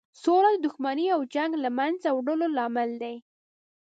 سوله د دښمنۍ او جنګ له مینځه وړلو لامل دی.